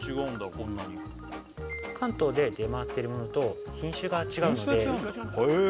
こんなに関東で出回ってるものと品種が違うのでへえ